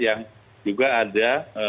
yang juga ada